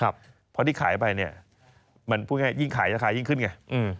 เพราะที่ขายไปเนี่ยมันพูดง่ายยิ่งขายราคายิ่งขึ้นไง